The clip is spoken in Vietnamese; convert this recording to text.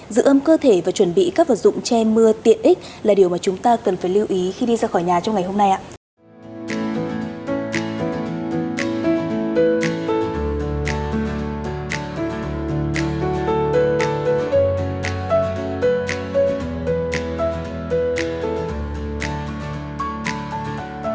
giữ âm cơ thể và chuẩn bị các vật dụng che mưa tiện ích là điều mà chúng ta cần phải lưu ý khi đi ra khỏi nhà trong ngày hôm nay ạ